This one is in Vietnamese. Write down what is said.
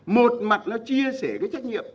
mặt mặt nó chia sẻ cái trách nhiệm